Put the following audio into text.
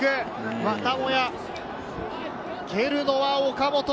またもや蹴るのは岡本。